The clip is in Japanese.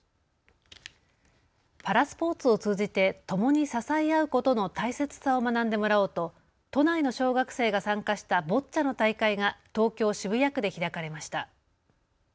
パラスポーツを通じてともに支え合うことの大切さを学んでもらおうと都内の小学生が参加したボッチャの大会が東京渋谷区で開かれました。